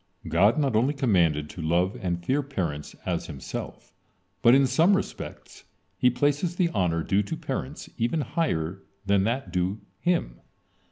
God not only commanded to love and fear parents as Himself, but in some respects He places the honor due to parents even higher than that due Him.